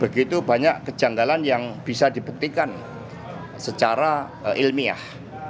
begitu banyak kejanggalan yang bisa dibuktikan secara ilmiah